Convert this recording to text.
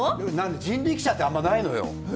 人力舎ってあまりないのよ。